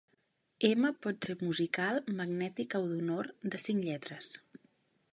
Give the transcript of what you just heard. M Pot ser musical, magnètica o d'honor, de cinc lletres.